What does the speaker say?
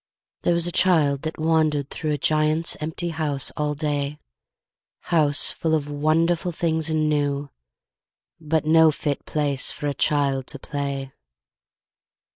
There was a child that wandered through A giant's empty house all day, House full of wonderful things and new, But no fit place for a child to play.